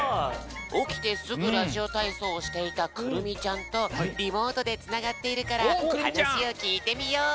おきてすぐラジオたいそうをしていたくるみちゃんとリモートでつながっているからはなしをきいてみよう。